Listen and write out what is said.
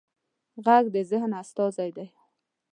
غږ د ذهن استازی دی